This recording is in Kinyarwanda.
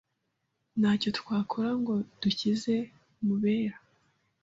Ntacyo twakora ngo dukize Mubera.